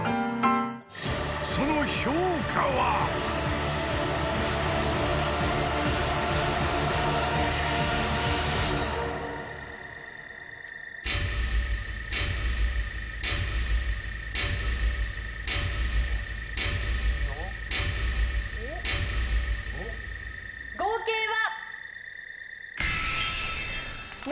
［その評価は］合計は？